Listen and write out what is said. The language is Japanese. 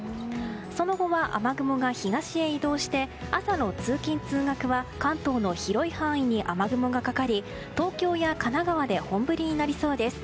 その後は、雨雲が東へ移動して朝の通勤・通学は関東の広い範囲に雨雲がかかり東京や神奈川で本降りになりそうです。